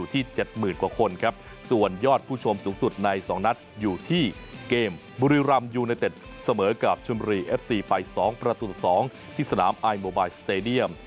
ที่๗๐๐กว่าคนครับส่วนยอดผู้ชมสูงสุดใน๒นัดอยู่ที่เกมบุรีรำยูไนเต็ดเสมอกับชมบุรีเอฟซีไป๒ประตูต่อ๒ที่สนามอายโมบายสเตดียม